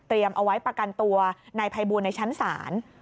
เอาไว้ประกันตัวนายภัยบูลในชั้นศาล